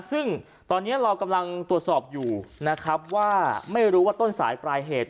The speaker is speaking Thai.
ซึ่งตอนนี้เรากำลังตรวจสอบอยู่นะครับว่าไม่รู้ว่าต้นสายปลายเหตุ